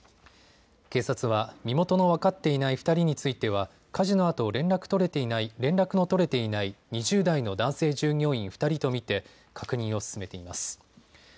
警察は身元の分かっていない２人については、火事のあと連絡の取れていない２０代の男性従業員２人と見て確認を進めています。